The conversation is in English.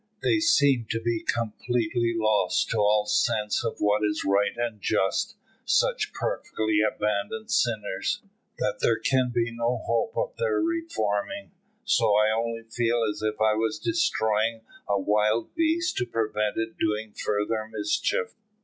"They seem to be completely lost to all sense of what is right and just, such perfectly abandoned sinners, that there can be no hope of their reforming, so I only feel as if I was destroying a wild beast to prevent it doing further mischief."